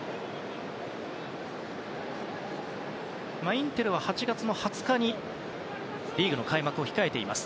インテルは８月２０日にリーグの開幕を控えています。